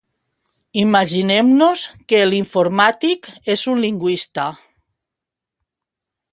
Imaginem-nos que l'informàtic és un lingüista.